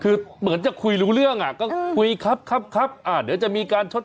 คือเหมือนจะคุยรู้เรื่องอ่ะก็คุยครับครับอ่าเดี๋ยวจะมีการชด